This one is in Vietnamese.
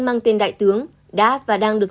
mang tên đại tướng đã và đang được